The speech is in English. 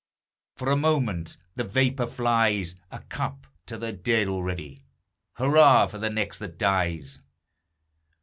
For a moment the vapor flies; A cup to the dead already Hurrah for the next that dies!